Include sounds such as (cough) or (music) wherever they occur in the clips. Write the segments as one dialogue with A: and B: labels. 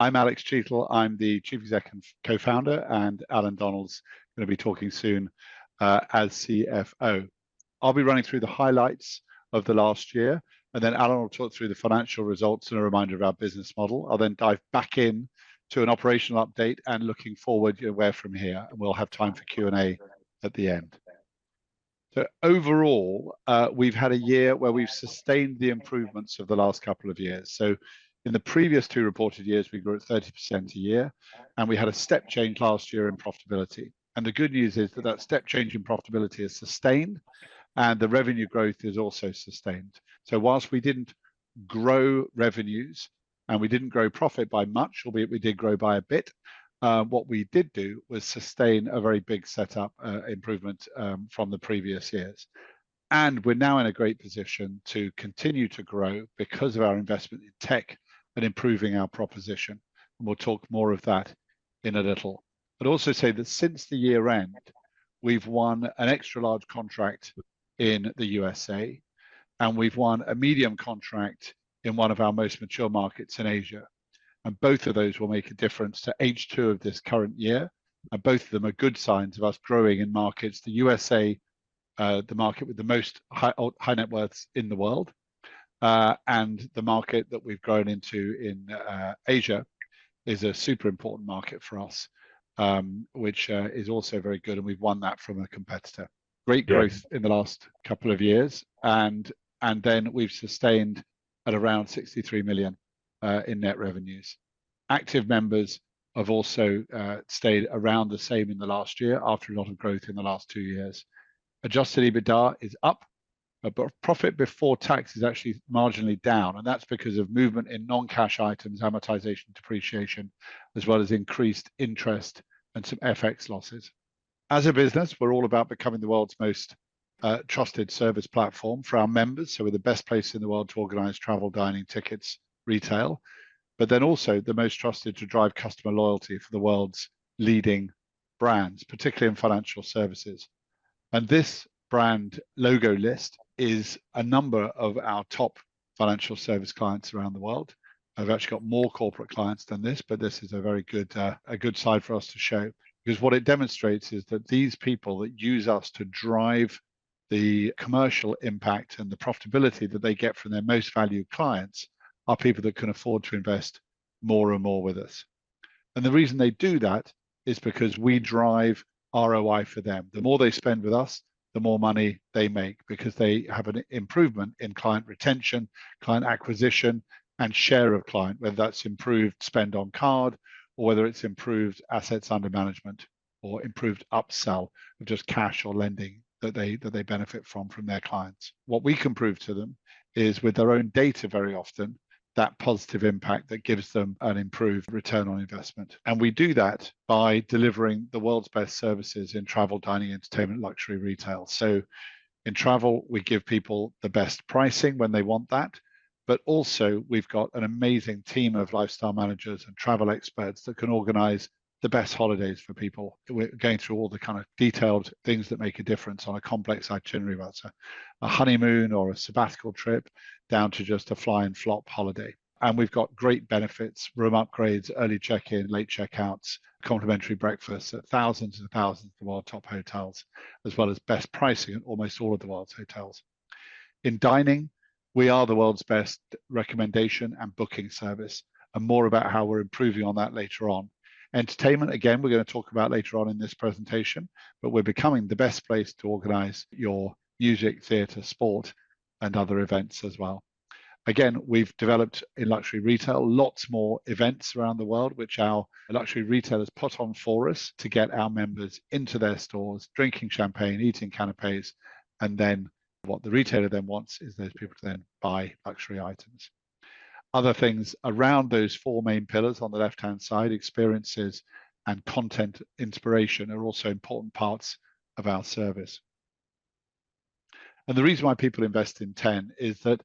A: I'm Alex Cheatle. I'm the Chief Executive and Co-founder, and Alan Donald's going to be talking soon as CFO. I'll be running through the highlights of the last year, and then Alan will talk through the financial results and a reminder of our business model. I'll then dive back into an operational update and looking forward to (audio distortion) from here, and we'll have time for Q&A at the end. Overall, we've had a year where we've sustained the improvements of the last couple of years. In the previous two reported years, we grew at 30% a year and we had a step change last year in profitability. The good news is that that step change in profitability is sustained, and the revenue growth is also sustained. Whilst we didn't grow revenues and we didn't grow profit by much, albeit we did grow by a bit, what we did do was sustain a very big setup improvement from the previous years. We're now in a great position to continue to grow, because of our investment in tech and improving our proposition, and we'll talk more of that in a little. Also say that, since the year-end, we've won an extra-large contract in the USA, and we've won a medium contract in one of our most mature markets in Asia. Both of those will make a difference to H2 of this current year, and both of them are good signs of us growing in markets. The USA, the market with the most high net worths in the world, and the market that we've grown into in Asia is a super important market for us, which is also very good and we've won that from a competitor. Great growth in the last couple of years, and then we've sustained at around 63 million in net revenues. Active members have also stayed around the same in the last year, after a lot of growth in the last two years. Adjusted EBITDA is up, but profit before tax is actually marginally down, and that's because of movement in non-cash items, amortization, depreciation, as well as increased interest and some FX losses. As a business, we're all about becoming the world's most trusted service platform for our members. We’re the best place in the world to organize travel, dining, tickets, retail, but then also the most trusted to drive customer loyalty for the world’s leading brands, particularly in financial services. This brand logo list is a number of our top financial service clients around the world. I’ve actually got more corporate clients than this, but this is a very good slide for us to show because what it demonstrates is that these people that use us to drive the commercial impact, and the profitability that they get from their most valued clients are people that can afford to invest more and more with us. The reason they do that is because we drive ROI for them. The more they spend with us, the more money they make because they have an improvement in client retention, client acquisition, and share of client. Whether that's improved spend on card, or whether it's improved assets under management or improved upsell of just cash, or lending that they benefit from their clients. What we can prove to them is with their own data very often, that positive impact that gives them an improved return on investment. We do that by delivering the world's best services in travel, dining, entertainment, luxury, retail. In travel, we give people the best pricing when they want that, but also we've got an amazing team of lifestyle managers and travel experts that can organize the best holidays for people. We're going through all the kind of detailed things that make a difference on a complex itinerary, whether it's a honeymoon or a sabbatical trip, down to just a flying flop holiday. We've got great benefits, room upgrades, early check-in, late checkouts, complimentary breakfasts at thousands and thousands of the world's top hotels, as well as best pricing at almost all of the world's hotels. In dining, we are the world's best recommendation, and booking service, and more about how we're improving on that later on. Entertainment, again, we're going to talk about later on in this presentation, but we're becoming the best place to organize your music, theater, sport, and other events as well. Again, we've developed in luxury retail, lots more events around the world, which our luxury retailers put on for us to get our members into their stores, drinking champagne, eating canapés, and then what the retailer then wants is those people to then buy luxury items. Other things around those four main pillars on the left-hand side, experiences and content inspiration are also important parts of our service. The reason why people invest in Ten is that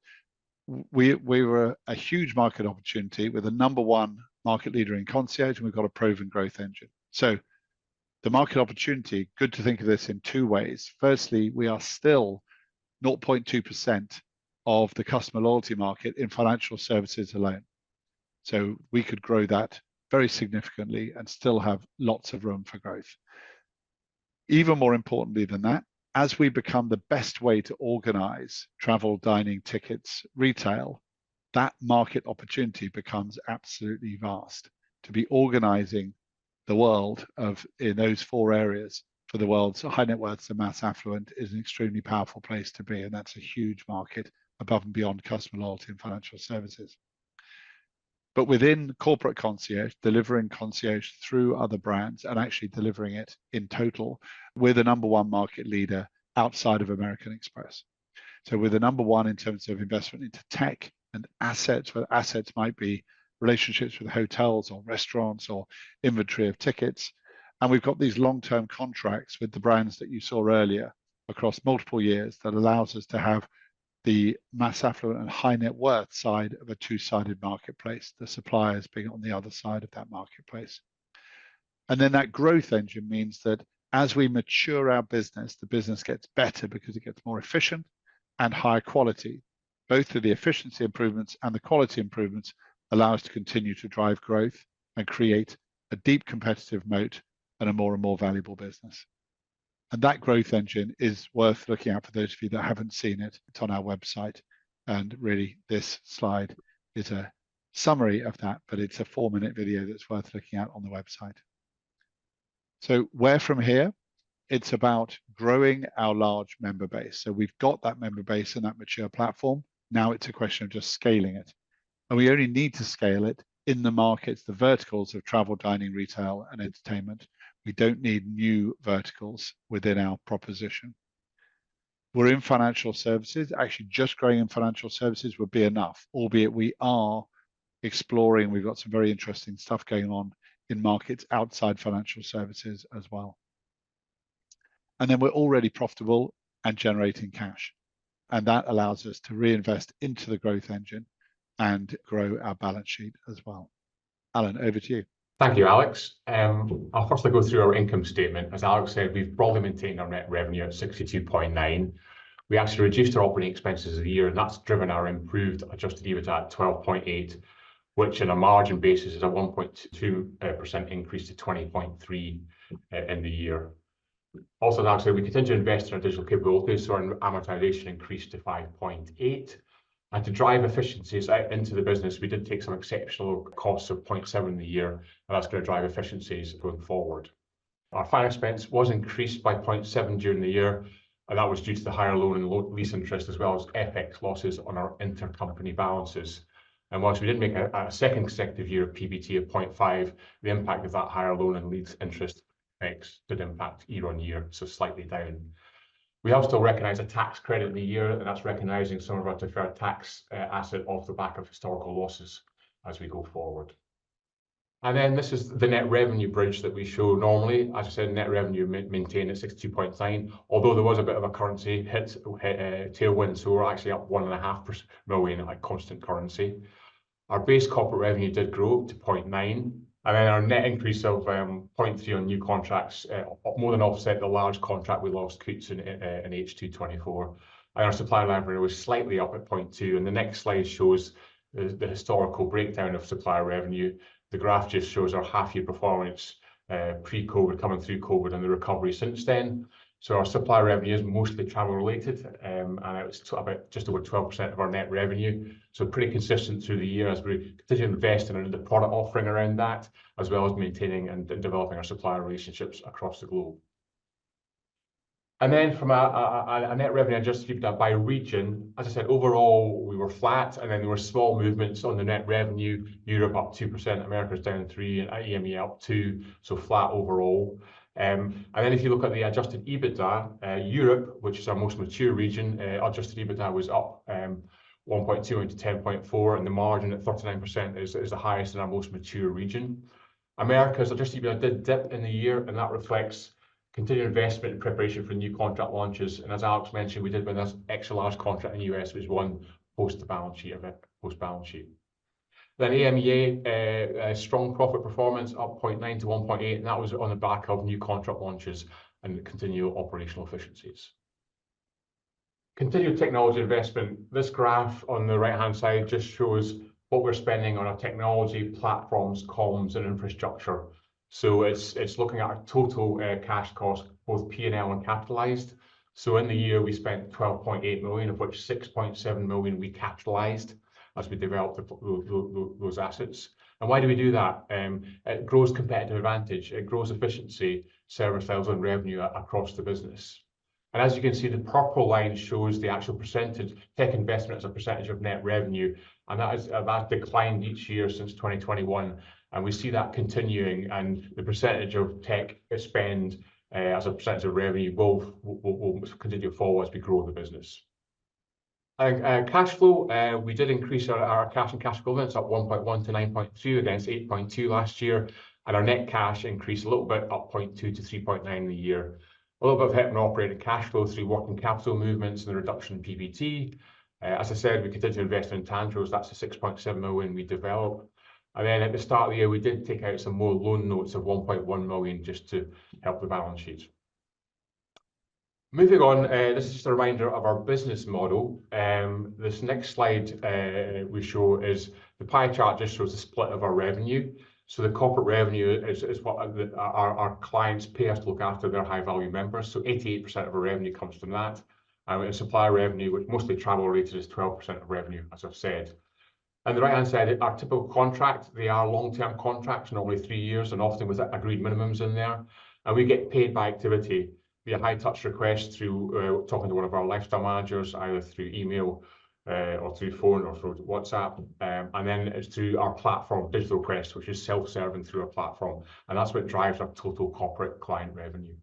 A: we were a huge market opportunity with a number one market leader in concierge, and we've got a proven growth engine. The market opportunity, good to think of this in two ways. Firstly, we are still 0.2% of the customer loyalty market in financial services alone, so we could grow that very significantly and still have lots of room for growth. Even more importantly than that, as we become the best way to organize travel, dining, tickets, retail, that market opportunity becomes absolutely vast, to be organizing the world in those four areas for the world's high-net-worths and mass-affluent is an extremely powerful place to be. That's a huge market above and beyond customer loyalty and financial services, but within corporate concierge, delivering concierge through other brands and actually delivering it in total with a number one market leader outside of American Express. We're the number one in terms of investment into tech and assets, where assets might be relationships with hotels or restaurants, or inventory of tickets. We've got these long-term contracts with the brands that you saw earlier across multiple years, that allows us to have the mass affluent and high net worth side of a two-sided marketplace, the suppliers being on the other side of that marketplace. Then that growth engine means that as we mature our business, the business gets better because it gets more efficient and higher quality. Both of the efficiency improvements and the quality improvements allow us to continue to drive growth, and create a deep competitive moat and a more and more valuable business. That growth engine is worth looking out for, those of you that haven't seen it, it's on our website. Really, this slide is a summary of that, but it's a four-minute video that's worth looking at on the website. Where from here? It's about growing our large member base. We've got that member base and that mature platform. Now it's a question of just scaling it. We only need to scale it in the markets, the verticals of travel, dining, retail, and entertainment. We don't need new verticals within our proposition. We're in financial services. Actually, just growing in financial services would be enough, albeit we are exploring. We've got some very interesting stuff going on in markets outside financial services as well, and then we're already profitable and generating cash. That allows us to reinvest into the growth engine, and grow our balance sheet as well. Alan, over to you.
B: Thank you, Alex. I'll firstly go through our income statement. As Alex said, we've broadly maintained our net revenue at 62.9. We actually reduced our operating expenses for the year, and that's driven our improved adjusted EBITDA at 12.8, which on a margin basis is a 1.2% increase to 20.3% in the year. Also, as I've said, we continue to invest in our digital capabilities, so our amortization increased to 5.8. To drive efficiencies out into the business, we did take some exceptional costs of 0.7 in the year and that's going to drive efficiencies going forward. Our finance expense was increased by 0.7 during the year, and that was due to the higher loan and lease interest, as well as FX losses on our intercompany balances. While we did make a second consecutive year of PBT of 0.5, the impact of that higher loan and lease interest, x, did impact year on year, so slightly down. We also recognize a tax credit in the year, and that's recognizing some of our deferred tax asset off the back of historical losses as we go forward. This is the net revenue bridge that we show normally. As I said, net revenue maintained at 62.9, although there was a bit of a currency tailwind, so we're actually up 1.5%, but we're in a constant currency. Our base corporate revenue did grow to 0.9, and then our net increase of 0.3 on new contracts more than offset the large contract, we lost Coutts in H2 2024. Our supply library was slightly up at 0.2. The next slide shows the historical breakdown of supply revenue. The graph just shows our half-year performance pre-COVID, coming through COVID, and the recovery since then. Our supply revenue is mostly travel-related, and it's about just over 12% of our net revenue. Pretty consistent through the year as we continue to invest in the product offering around that, as well as maintaining and developing our supplier relationships across the globe. From a net revenue adjusted EBITDA by region, as I said, overall we were flat, and then there were small movements on the net revenue. Europe up 2%, Americas down 3%, EMEA up 2%, so flat overall. If you look at the adjusted EBITDA, Europe, which is our most mature region, adjusted EBITDA was up 1.2% to 10.4%, and the margin at 39% is the highest in our most mature region. Americas Adjusted EBITDA did dip in the year, and that reflects continued investment and preparation for new contract launches. As Alex mentioned, we did win this extra-large contract in the U.S., which won post-balance sheet. Then EMEA, strong profit performance up 0.9% to 1.8%, and that was on the back of new contract launches and continual operational efficiencies. Continued technology investment. This graph on the right-hand side just shows what we're spending on our technology platforms, comms, and infrastructure, so it's looking at our total cash cost, both P&L and capitalized. In the year, we spent 12.8 million, of which 6.7 million, we capitalized as we developed those assets. Why do we do that? It grows competitive advantage. It grows efficiency, service levels, and revenue across the business. As you can see, the purple line shows the actual percentage tech investment as a percentage of net revenue, and that has declined each year since 2021. We see that continuing, and the percentage of tech spend as a percentage of revenue will continue to fall as we grow the business. Cash flow, we did increase our cash and cash equivalents at 1.1% to 9.2% against 8.2% last year, and our net cash increased a little bit at 0.2% to 3.9% in the year. A little bit of a hit to operating cash flow through working capital movements and the reduction in PBT. As I said, we continue to invest in technology. That's the 6.7 million we developed. At the start of the year, we did take out some more loan notes of 1.1 million just to help the balance sheet. Moving on, this is just a reminder of our business model. This next slide, we show the pie chart, just shows the split of our revenue, so the corporate revenue is what our clients pay us to look after their high-value members. 88% of our revenue comes from that, and supplier revenue, which mostly travel rates is 12% of revenue, as I've said. On the right-hand side, our typical contracts, they are long-term contracts, normally three years and often with agreed minimums in there. We get paid by activity via high-touch requests through talking to one of our lifestyle managers, either through email or through phone or through WhatsApp. Then it's through our platform, TenMAID, which is self-service through our platform, and that's what drives our total corporate client revenue.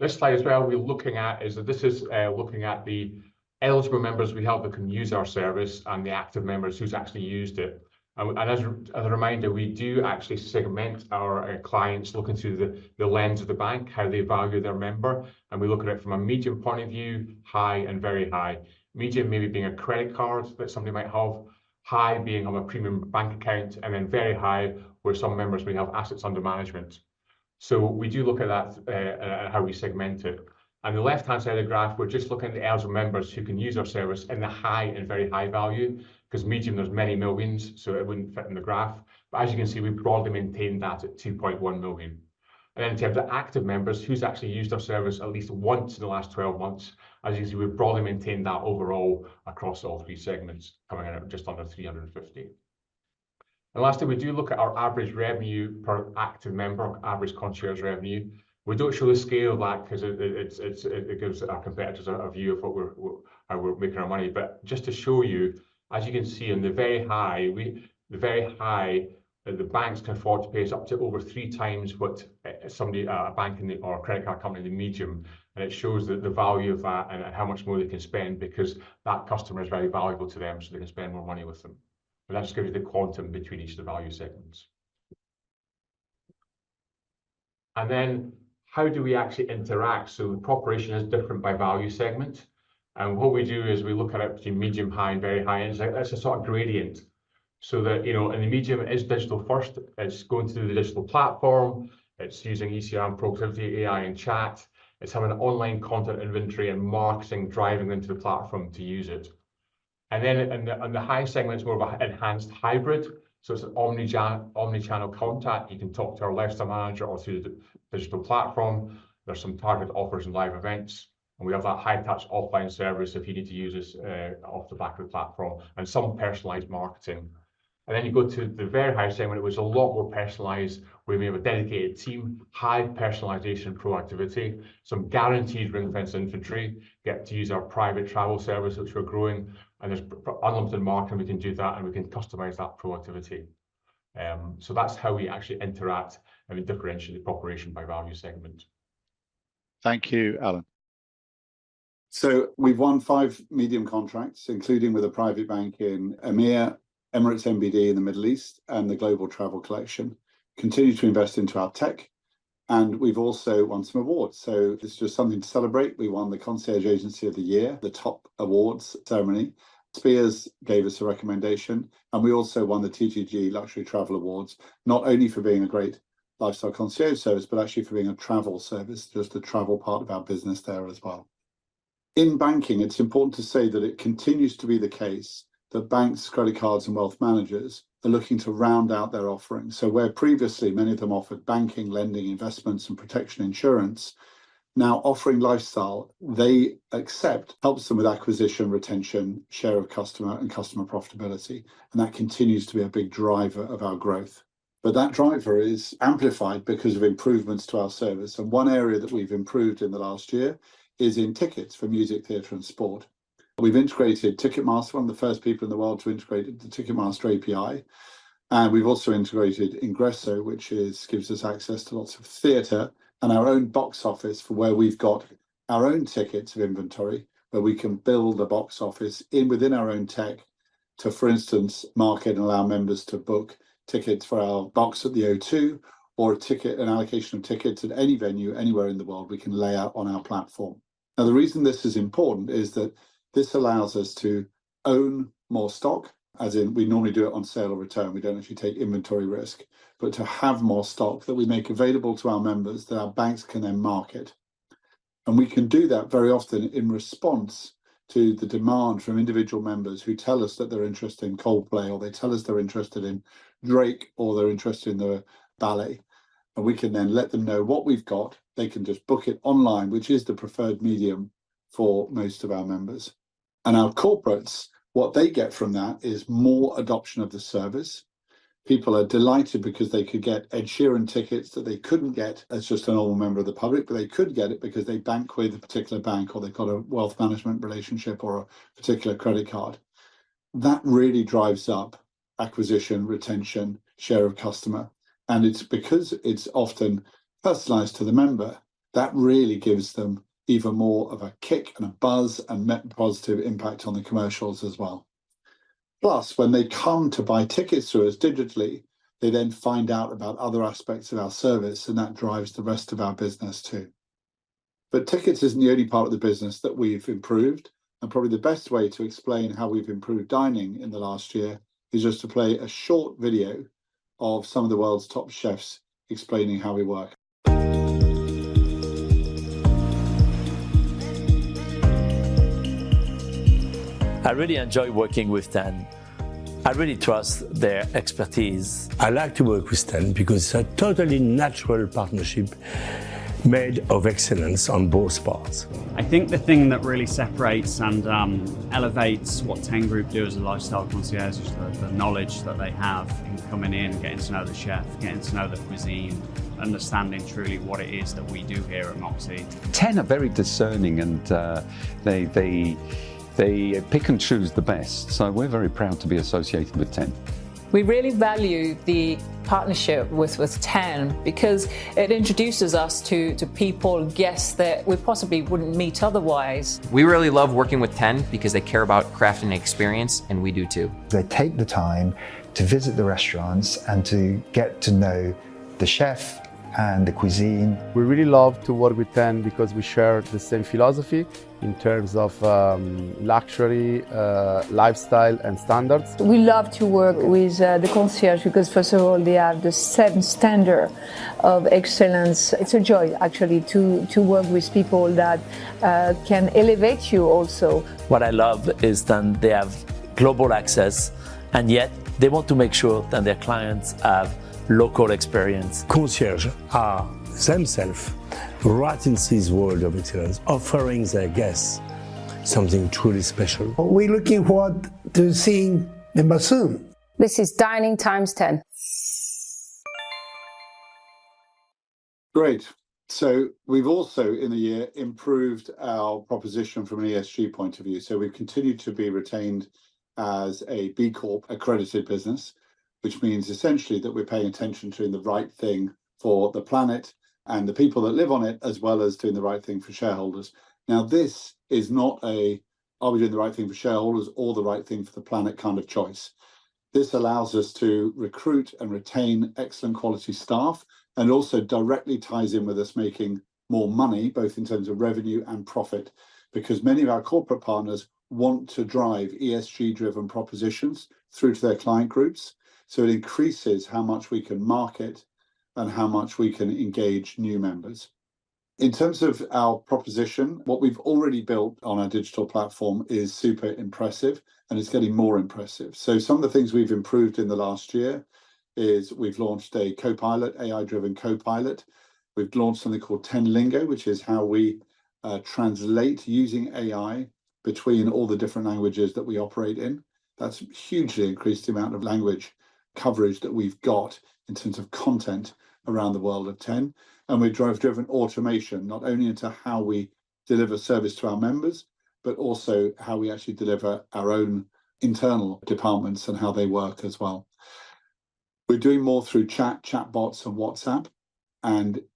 B: This slide as well, we're looking at, is that this is looking at the eligible members we have that can use our service and the active members who've actually used it. As a reminder, we do actually segment our clients looking through the lens of the bank, how they value their member. We look at it from a medium point of view, high and very high. Medium maybe being a credit card that somebody might have, high being on a premium bank account, and then very high, where some members may have assets under management. We do look at that and how we segment it. On the left-hand side of the graph, we're just looking at the eligible members who can use our service in the high an,d very high value, because medium, there's many millions, so it wouldn't fit in the graph. As you can see, we broadly maintain that at 2.1 million. Then in terms of active members, who's actually used our service at least once in the last 12 months, as you can see, we've broadly maintained that overall across all three segments, coming out just under 350. Lastly, we do look at our average revenue per active member, average concierge revenue. We don't show the scale of that because it gives our competitors a view of how we're making our money back. Just to show you, as you can see in the very high, the banks can afford to pay us up to over 3x a bank or a credit card company in the medium. It shows the value of that and how much more they can spend, because that customer is very valuable to them, so they can spend more money with them. That's going to be the quantum between each of the value segments, and then how do we actually interact? The proper operation is different by value segment. What we do is we look at it between medium, high, and very high, and it's a sort of gradient. That in the medium, it's digital first. It's going through the digital platform. It's using ECR and productivity, AI and chat. It's having online content inventory and marketing driving them to the platform to use it. Then on the high segment, it's more of an enhanced hybrid. It's an omnichannel contact. You can talk to our lifestyle manager or through the digital platform. There's some target offers and live events, and we have that high-touch offline service, if you need to use this off the back of the platform and some personalized marketing. Then you go to the very high segment, it was a lot more personalized. We may have a dedicated team, high personalization and proactivity, some guaranteed ring-fence inventory, get to use our private travel service, which we're growing, and there's unlimited marketing. We can do that, and we can customize that proactivity, so that's how we actually interact and we differentiate the proper operation by value segment.
A: Thank you, Alan. We've won five medium contracts, including with a private bank in EMEA, Emirates NBD in the Middle East, and the Global Travel Collection, we continue to invest into our tech. We've also won some awards. This is just something to celebrate. We won the Concierge Agency of the Year, the top awards ceremony. Spear's gave us a recommendation. We also won the TTG Luxury Travel Awards, not only for being a great lifestyle concierge service, but actually for being a travel service, just the travel part of our business there as well. In banking, it's important to say that it continues to be the case that banks, credit cards, and wealth managers are looking to round out their offering. Where previously many of them offered banking, lending, investments, and protection insurance, now offering lifestyle, they accept, helps them with acquisition, retention, share of customer, and customer profitability. That continues to be a big driver of our growth. That driver is amplified because of improvements to our service. One area that we've improved in the last year is in tickets for music, theater, and sport. We've integrated Ticketmaster, one of the first people in the world to integrate the Ticketmaster API. We've also integrated Ingresso, which gives us access to lots of theater and our own box office for where we've got our own tickets of inventory, where we can build a box office within our own tech to, for instance, market and allow members to book tickets for our box at The O2 or an allocation of tickets at any venue anywhere in the world we can lay out on our platform. Now, the reason this is important, is that this allows us to own more stock, as in we normally do it on sale or return. We don't actually take inventory risk, but to have more stock that we make available to our members that our banks can then market. We can do that very often in response to the demand from individual members, who tell us that they're interested in Coldplay or they tell us they're interested in Drake, or they're interested in the ballet. We can then let themnow what we've got. They can just book it online, which is the preferred medium for most of our members. Our corporates, what they get from that is more adoption of the service. People are delighted because they could get Ed Sheeran tickets, that they couldn't get as just a normal member of the public, but they could get it because they bank with a particular bank or they've got a wealth management relationship or a particular credit card. That really drives up acquisition, retention, share of customer, and it's because it's often personalized to the member. That really gives them even more of a kick and a buzz, and a net positive impact on the commercials as well. Plus, when they come to buy tickets through us digitally, they then find out about other aspects of our service, and that drives the rest of our business too. Tickets isn't the only part of the business that we've improved. Probably the best way to explain how we've improved dining in the last year, is just to play a short video of some of the world's top chefs explaining how we work.
C: I really enjoy working with Ten. I really trust their expertise. I like to work with Ten because it's a totally natural partnership made of excellence on both parts.
D: I think the thing that really separates and elevates what Ten Group do as a lifestyle concierge is the knowledge that they have in coming in, getting to know the chef, getting to know the cuisine, understanding truly what it is that we do here at Moxie.
E: Ten are very discerning, and they pick and choose the best. We're very proud to be associated with Ten.
F: We really value the partnership with Ten, because it introduces us to people, guests that we possibly wouldn't meet otherwise.
G: We really love working with Ten because they care about crafting the experience, and we do too.
H: They take the time to visit the restaurants, and to get to know the chef and the cuisine.
I: We really love to work with Ten, because we share the same philosophy in terms of luxury, lifestyle, and standards.
J: We love to work with the concierge because first of all, they have the same standard of excellence. It's a joy actually to work with people that can elevate you also.
K: What I love is that they have global access, and yet they want to make sure that their clients have local experience.
L: Concierge are themselves right in this world of excellence, offering their guests something truly special.
M: We're looking forward to seeing them more soon.
N: This is Dining Times Ten.
A: Great. We've also, in the year, improved our proposition from an ESG point of view. We've continued to be retained as a B Corp-accredited business, which means essentially that we're paying attention to doing the right thing for the planet and the people that live on it, as well as doing the right thing for shareholders. Now, this is not an, are we doing the right thing for shareholders or the right thing for the planet kind of choice? This allows us to recruit and retain excellent quality staff, and also directly ties in with us making more money, both in terms of revenue and profit, because many of our corporate partners want to drive ESG-driven propositions through to their client groups. It increases how much we can market, and how much we can engage new members. In terms of our proposition, what we've already built on our digital platform is super impressive, and it's getting more impressive. Some of the things we've improved in the last year, is we've launched a co-pilot, AI-driven co-pilot. We've launched something called [Ten Lingo], which is how we translate using AI, between all the different languages that we operate in. That's hugely increased the amount of language coverage that we've got in terms of content around the world of Ten. We've driven automation not only into how we deliver service to our members, but also how we actually deliver our own internal departments and how they work as well. We're doing more through chat, chatbots, and WhatsApp.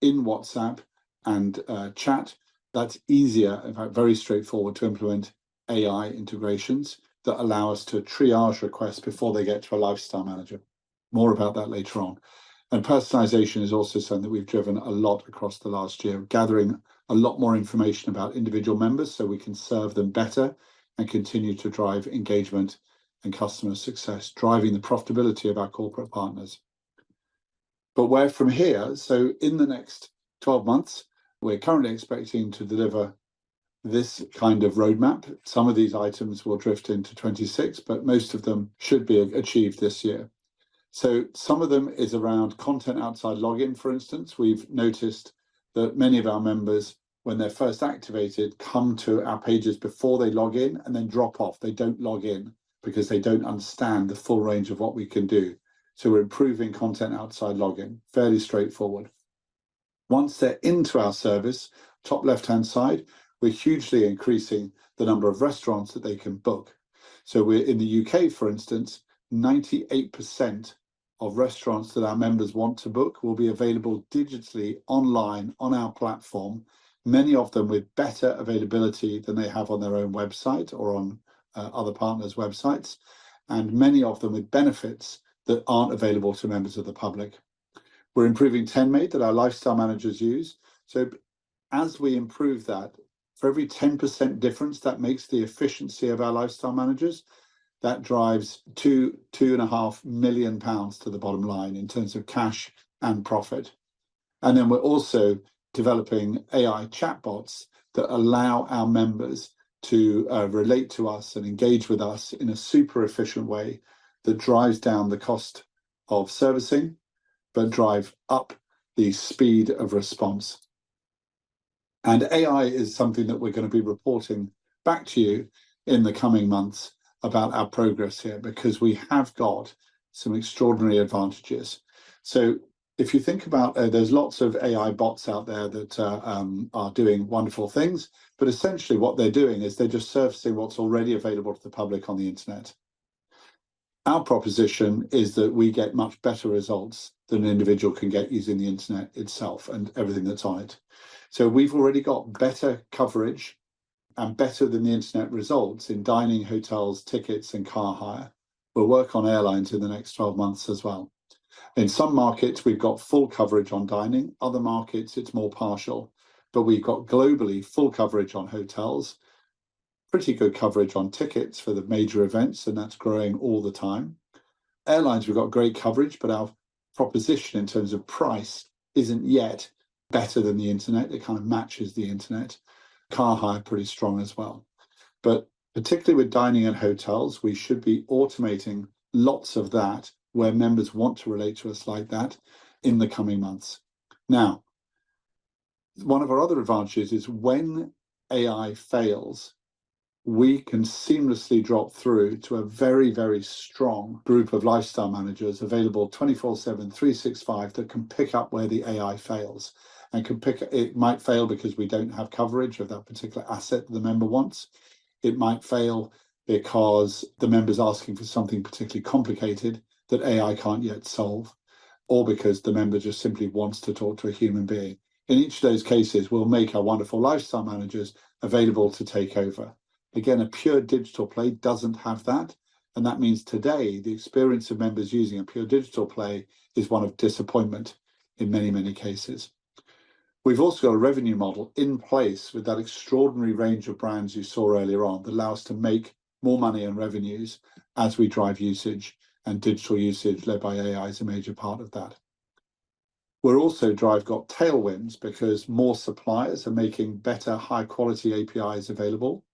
A: In WhatsApp and chat, that's easier, in fact, very straightforward to implement AI integrations that allow us to triage requests before they get to a lifestyle manager. More about that later on. Personalization is also something that we've driven a lot across the last year, gathering a lot more information about individual members, so we can serve them better and continue to drive engagement and customer success, driving the profitability of our corporate partners. From here, so in the next 12 months, we're currently expecting to deliver this kind of roadmap. Some of these items will drift into 2026, but most of them should be achieved this year. Some of them is around content outside login, for instance. We've noticed that many of our members, when they're first activated, come to our pages before they log in and then drop off. They don't log in because they don't understand the full range of what we can do, so we're improving content outside login, fairly straightforward. Once they're into our service, top left-hand side, we'Re hugely increasing the number of restaurants that they can book. In the U.K., for instance, 98% of restaurants that our members want to book will be available digitally online on our platform, many of them with better availability than they have on their own website or on other partners' websites, and many of them with benefits that aren't available to members of the public. We're improving TenMAID, that our lifestyle managers use. As we improve that, for every 10% difference that makes the efficiency of our lifestyle managers, that drives 2.5 million pounds to the bottom line in terms of cash and profit. Then we're also developing AI chatbots, that allow our members to relate to us, and engage with us in a super-efficient way that drives down the cost of servicing, but drives up the speed of response. AI is something that we're going to be reporting back to you in the coming months, about our progress here, because we have got some extraordinary advantages. If you think about, there's lots of AI bots out there that are doing wonderful things, but essentially what they're doing, is they're just servicing what's already available to the public on the internet. Our proposition is that we get much better results than an individual can get using the Internet itself, and everything that's on it. We've already got better coverage and better than the internet results in dining, hotels, tickets, and car hire. We'll work on airlines in the next 12 months as well. In some markets, we've got full coverage on dining. Other markets, it's more partial. We've got globally, full coverage on hotels, pretty good coverage on tickets for the major events, and that's growing all the time. Airlines, we've got great coverage, but our proposition in terms of price isn't yet better than the Internet. It kind of matches the internet. Car hire is pretty strong as well. Particularly with dining and hotels, we should be automating lots of that, where members want to relate to us like that in the coming months. Now, one of our other advantages is when AI fails, we can seamlessly drop through to a very, very strong group of lifestyle managers available 24/7, 365 that can pick up where the AI fails. Can pick up, it might fail because we don't have coverage of that particular asset the member wants. It might fail because the member's asking for something particularly complicated that AI can't yet solve, or because the member just simply wants to talk to a human being. In each of those cases, we'll make our wonderful lifestyle managers available to take over. Again, a pure digital play doesn't have that. That means today, the experience of members using a pure digital play is one of disappointment in many, many cases. We've also got a revenue model in place with that extraordinary range of brands you saw earlier on, that allows us to make more money and revenues as we drive usage, and digital usage led by AI is a major part of that. We're also driving tailwinds, because more suppliers are making better high-quality APIs available.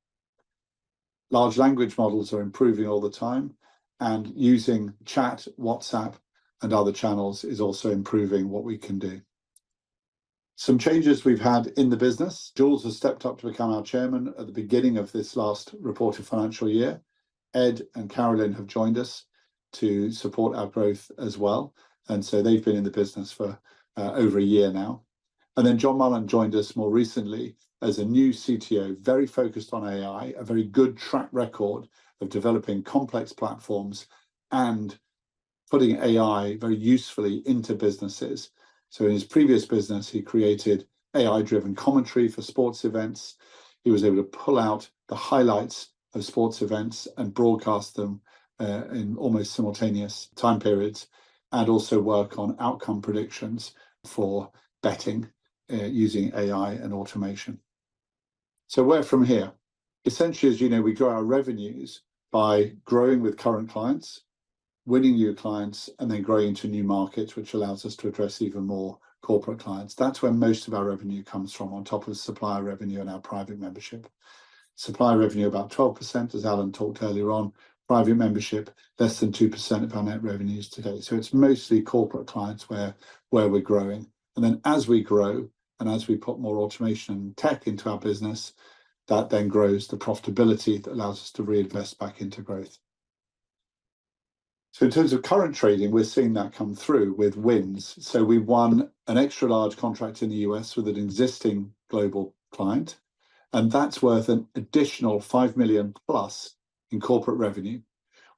A: Large language models are improving all the time, and using chat, WhatsApp, and other channels is also improving what we can do. Some changes we've had in the business, Jules has stepped up to become our Chairman at the beginning of this last reported financial year. Ed and Carolyn have joined us to support our growth as well, and so they've been in the business for over a year now. Then John Mullen joined us more recently as a new CTO, very focused on AI, a very good track record of developing complex platforms and putting AI very usefully into businesses. In his previous business, he created AI-driven commentary for sports events. He was able to pull out the highlights of sports events and broadcast them in almost simultaneous time periods, and also work on outcome predictions for betting using AI and automation, so where from here? Essentially, as you know, we grow our revenues by growing with current clients, winning new clients, and then growing into new markets, which allows us to address even more corporate clients. That's where most of our revenue comes from, on top of supplier revenue and our private membership. Supplier revenue, about 12%, as Alan talked earlier on. Private membership, less than 2% of our net revenues today, so it's mostly corporate clients where we're growing. Then as we grow and as we put more automation and tech into our business, that then grows the profitability that allows us to reinvest back into growth. In terms of current trading, we're seeing that come through with wins. We won an extra large contract in the U.S. with an existing global client, and that's worth an additional 5+ million in corporate revenue.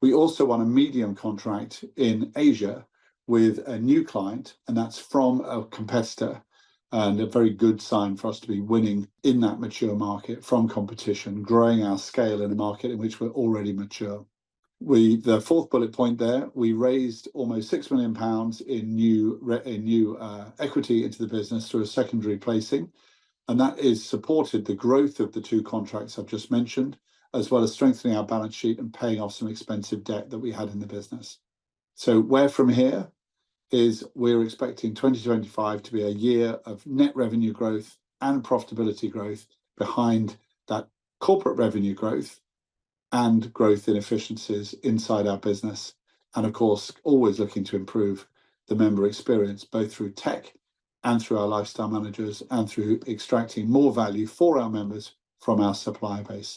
A: We also won a medium contract in Asia with a new client, and that's from a competitor and a very good sign for us to be winning in that mature market from competition, growing our scale in a market in which we're already mature. The fourth bullet point there, we raised almost 6 million pounds in new equity into the business through a secondary placing, and that has supported the growth of the two contracts I've just mentioned, as well as strengthening our balance sheet and paying off some expensive debt that we had in the business. Where from here? We're expecting 2025 to be a year of net revenue growth and profitability growth behind that corporate revenue growth, and growth in efficiencies inside our business. Of course, always looking to improve the member experience both through tech, and through our lifestyle managers and through extracting more value for our members from our supplier base.